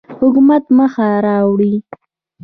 حکومت مخ را اړوي.